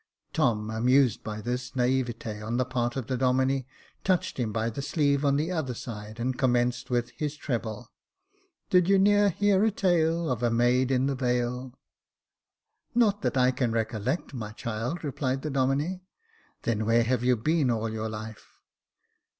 Tom, amused by this naivete on the part of the Domine, touched him by the sleeve, on the other side, and commenced with his treble :*' Did you ne'er hear a tale Of a maid in the vale? " Jacob Faithful 103 "Not that I can recollect, my cliild," replied the Domine. Then, where have you been all your life